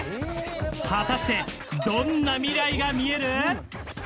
果たして、どんな未来がみえる？